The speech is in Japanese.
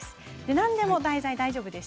何でも大丈夫です。